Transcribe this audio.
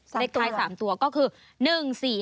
เลขท้าย๓ตัวก็คือ๑๔๕